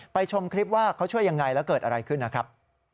ชมคลิปว่าเขาช่วยยังไงแล้วเกิดอะไรขึ้นนะครับ